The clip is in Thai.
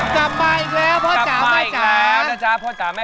จับไปอีกแล้วพ่อจ๋าม่าย่า